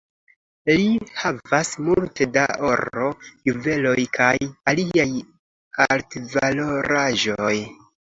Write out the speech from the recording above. Ri havas multe da oro, juveloj kaj aliaj altvaloraĵoj.